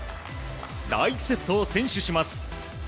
第１セットを先取します。